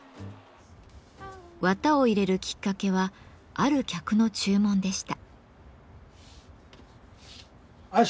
綿を入れるきっかけはある客の注文でした。